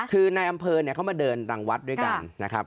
คือในอำเภอเนี่ยเขามาเดินรังวัดด้วยกันนะครับ